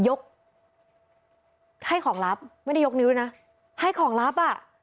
ยกให้ของลับไม่ได้ยกนิ้วด้วยนะให้ของลับอ่ะ